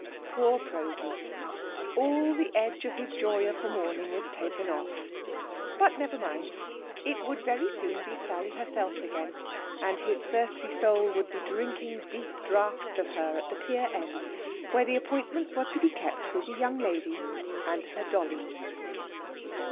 Poor Prosy! All the edge of his joy of the morning was taken off. But never mind! It would very soon be Sally herself again, and his thirsty soul would be drinking deep draughts of her at the pier end, where the appointment was to be kept with the young lady and her dolly.